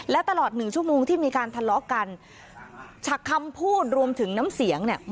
และตลอดหนึ่งชั่วโมงที่มีการทะเลาะกันฉักคำพูดรวมถึงน้ำเสียงเนี่ย